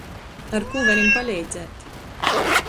Ar kū varim paleidzēt?